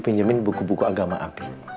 pinjemin buku buku agama abi